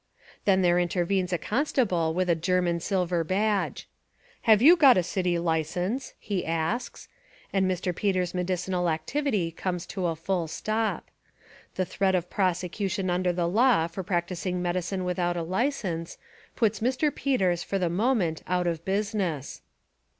Then there intervenes a constable with a Ger man silver badge. "Have you got a city li cense?" he asks, and Mr. Peters' medicinal activity comes to a full stop. The threat of prosecution under the law for practising medi cine without a license puts Mr, Peters for the moment out of business.